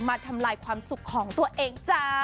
ทำลายความสุขของตัวเองจ้า